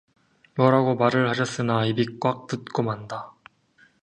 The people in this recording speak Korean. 뭐라고 말을 하렸으나 입이 꽉 붙고 만다.